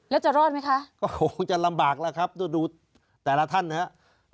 แล้วจะรอดไหมคะก็คงจะลำบากแล้วครับดูแต่ละท่านนะครับ